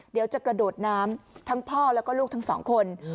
เดี๋ยวจะกระโดดน้ำทั้งพ่อแล้วก็ลูกทั้งสองคน